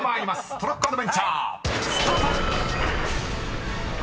トロッコアドベンチャースタート！］